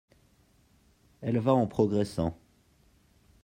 Elle va en progressant